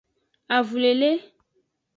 Avulele.